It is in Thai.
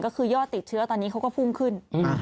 ก็คือยอดติดเชื้อตอนนี้เขาก็พุ่งขึ้น